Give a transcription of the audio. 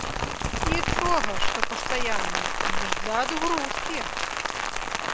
Нічога, што пастаянна, але ж для адгрузкі!